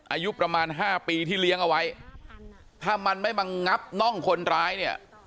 อายุประมาณห้าปีที่เลี้ยงเอาไว้ถ้ามันไม่มางับน่องคนร้ายเนี่ย